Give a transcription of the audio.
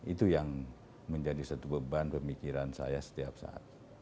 itu yang menjadi satu beban pemikiran saya setiap saat